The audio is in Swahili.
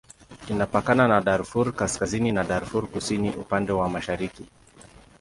Inapakana na Darfur Kaskazini na Darfur Kusini upande wa mashariki.